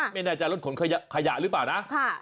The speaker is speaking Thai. ไม่แน่ใจรถขนขยะหรือเปล่านะ